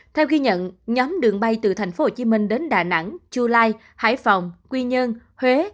theo ghi nhận nhóm đường bay từ tp hcm đến đà nẵng chu lai hải phòng quy nhơn huế